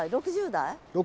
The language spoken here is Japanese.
６０代？